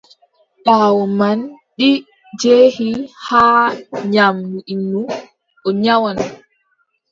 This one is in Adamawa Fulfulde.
Ɓaawo man, ɗi njehi haa nyaamdu innu, o nyawan.